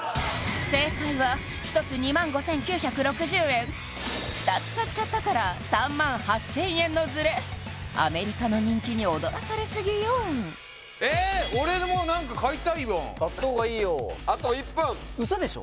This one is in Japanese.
正解は１つ２万５９６０円２つ買っちゃったから３万８０００円のズレアメリカの人気に踊らされすぎよえっ俺も何か買いたいもん買った方がいいよあと１分ウソでしょ！？